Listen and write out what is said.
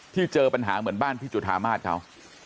เจอปัญหาเหมือนบ้านพี่จุธามาศเขา